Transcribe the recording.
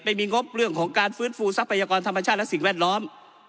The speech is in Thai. งบเรื่องของการฟื้นฟูทรัพยากรธรรมชาติและสิ่งแวดล้อม